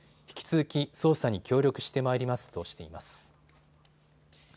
引き続き捜査に協力してまいりますとしています。